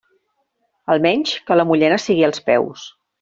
Almenys que la mullena sigui als peus.